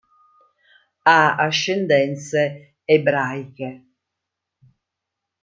Ha ascendenze ebraiche.